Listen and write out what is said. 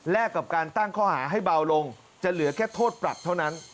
กับการตั้งข้อหาให้เบาลงจะเหลือแค่โทษปรับเท่านั้น